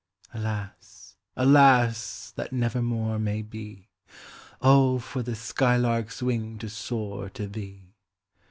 Alas, alas! that never more may be. Oh, for the sky lark's wing to soar to thee!